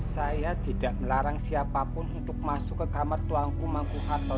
saya tidak melarang siapapun untuk masuk ke kamar tuangku mangku hafal